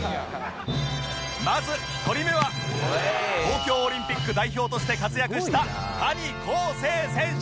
まず１人目は東京オリンピック代表として活躍した谷晃生選手